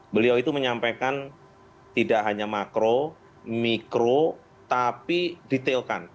beliau itu menyampaikan tidak hanya makro mikro tapi detailkan